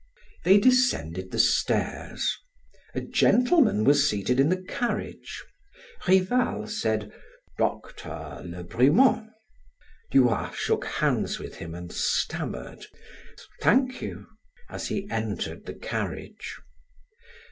They descended the stairs. A gentleman was seated in the carriage. Rival said: "Dr. Le Brument." Duroy shook hands with him and stammered: "Thank you," as he entered the carriage.